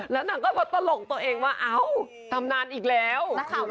แล้วนางก็มาตลกตัวเองว่าเอ้าทำนานอีกแล้ว